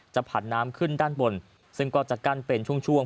ผัดน้ำขึ้นด้านบนซึ่งก็จะกั้นเป็นช่วง